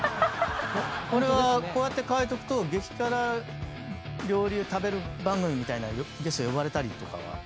これはこうやって書いとくと激辛料理を食べる番組みたいなのにゲストに呼ばれたりとかは？